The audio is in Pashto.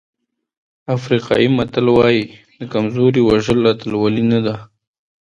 افریقایي متل وایي د کمزوري وژل اتلولي نه ده.